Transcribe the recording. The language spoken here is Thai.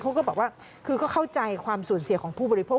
เขาก็เข้าใจความสูญเสียของผู้บริโภค